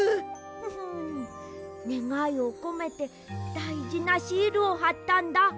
フフンねがいをこめてだいじなシールをはったんだ。